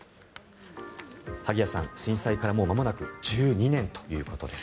萩谷さん、震災からもうまもなく１２年ということです。